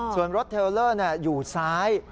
ส่วนรถเทลเลอร์อยู่ซ้าย